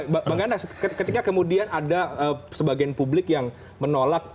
bang ganda ketika kemudian ada sebagian publik yang menolak